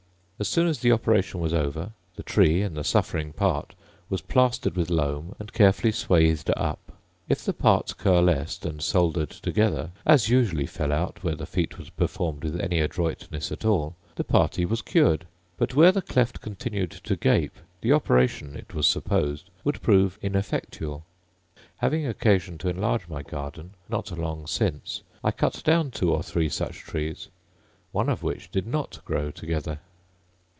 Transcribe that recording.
As soon as the operation was over, the tree, in the suffering part, was plastered with loam, and carefully swathed up. If the parts coalesced and soldered together, as usually fell out, where the feat was performed with any adroitness at all, the party was cured; but, where the cleft continued to gape, the operation, it was supposed, would prove ineffectual. Having occasion to enlarge my garden not long since, I cut down two or three such trees, one of which did not grow together.